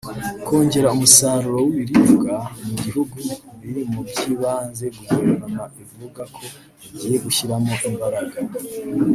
Kongera umusaruro w’ibiribwa mu gihugu biri mu by’ibanze Guvernema ivuga ko igiye gushyiramo imbaraga